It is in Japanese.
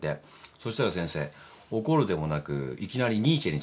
そしたら先生怒るでもなくいきなりニーチェについて語りだして。